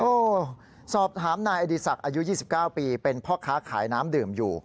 สอบถามนายอดีศักดิ์อายุ๒๙ปีเป็นพ่อค้าขายน้ำดื่มอยู่